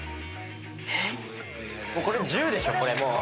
これ１０でしょ。